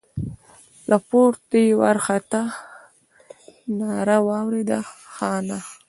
له پورته يې وارخطا ناره واورېده: خانه!